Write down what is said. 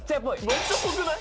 めっちゃぽくない！？